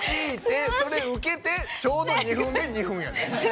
それ受けてちょうど２分で２分やねん。